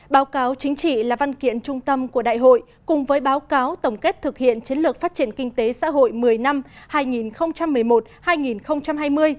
báo cáo chính trị là văn kiện trung tâm của đại hội cùng với báo cáo tổng kết thực hiện chiến lược phát triển kinh tế xã hội một mươi năm hai nghìn một mươi một hai nghìn hai mươi